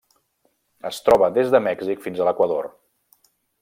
Es troba des de Mèxic fins a l'Equador.